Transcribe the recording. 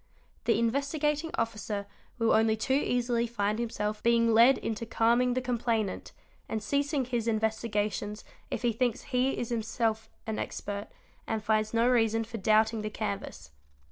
The Investigating Officer will only too easily find himself being led into calming the complainant and ceasing his investigations if he thinks he is himself an expert and finds no reason for doubting the canvas.